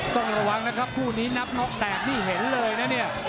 ต้องระวังนะครับคู่นี้นับน็อกแตกนี่เห็นเลยนะเนี่ย